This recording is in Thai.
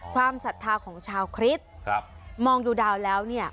ศรัทธาของชาวคริสต์มองดูดาวแล้วเนี่ย